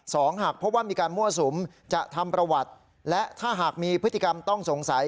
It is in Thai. หากพบว่ามีการมั่วสุมจะทำประวัติและถ้าหากมีพฤติกรรมต้องสงสัย